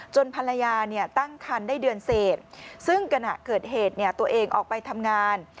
ภรรยาตั้งคันได้เดือนเศษซึ่งขณะเกิดเหตุตัวเองออกไปทำงาน